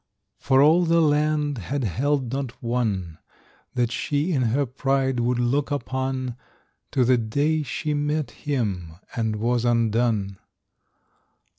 For all the land had held not one That she in her pride would look upon To the day she met him, and was undone.